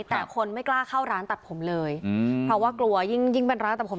แต่คนไม่กล้าเข้าร้านตัดผมเลยอืมเพราะว่ากลัวยิ่งยิ่งเป็นร้านตัดผม